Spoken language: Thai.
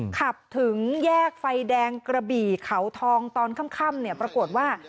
ขับถึงแยกไฟแดงกระบี่เขาทองตอนค่ำเนี่ยปรากฏว่า